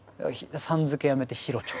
さん付けやめて「ヒロチョ」。